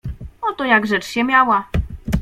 "Oto jak rzecz się miała."